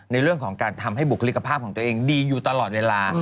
ในเรื่องของการทำให้บุคลิกภาพของตัวเองดีอยู่ตลอดเวลา